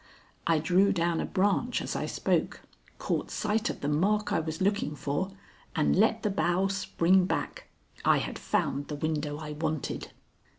I drew down a branch as I spoke, caught sight of the mark I was looking for, and let the bough spring back. I had found the window I wanted.